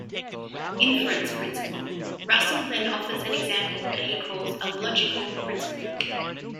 Inference principle: Russell then offers an example that he calls a "logical" principle.